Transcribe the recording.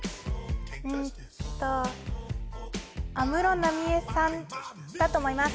んーと安室奈美恵さんだと思います